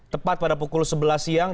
tepat pada pukul sebelas siang